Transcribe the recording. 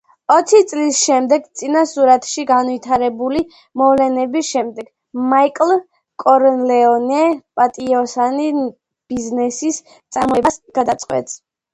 ოცი წლის შემდეგ, წინა სურათში განვითარებული მოვლენების შემდეგ, მაიკლ კორლეონე პატიოსანი ბიზნესის წარმოებას გადაწყვეტს.